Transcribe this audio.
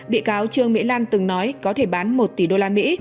báo trương mỹ lan từng nói có thể bán một tỷ đô la mỹ